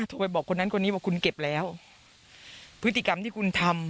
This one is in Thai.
ไปบอกคนนั้นคนนี้ว่าคุณเก็บแล้วพฤติกรรมที่คุณทำ